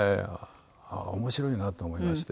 ああ面白いなと思いまして。